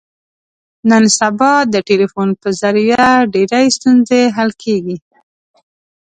نن سبا د ټلیفون په ذریعه ډېرې ستونزې حل کېږي.